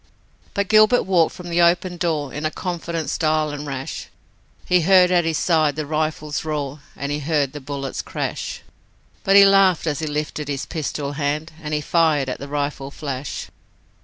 But Gilbert walked from the open door In a confident style and rash; He heard at his side the rifles roar, And he heard the bullets crash. But he laughed as he lifted his pistol hand, And he fired at the rifle flash.